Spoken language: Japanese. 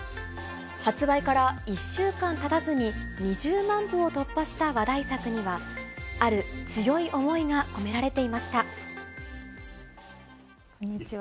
発売から１週間たたずに２０万部を突破した話題作には、ある強いこんにちは。